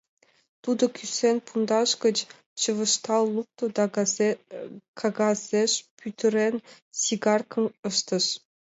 Тудо кӱсен пундаш гыч чывыштал лукто да, кагазеш пӱтырен, сигаркым ыштыш.